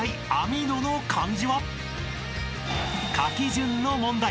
［書き順の問題］